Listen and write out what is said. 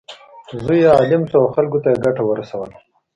زوی یې عالم شو او خلکو ته یې ګټه ورسوله.